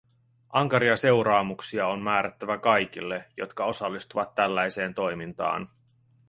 Ankaria seuraamuksia on määrättävä kaikille, jotka osallistuvat tällaiseen toimintaan.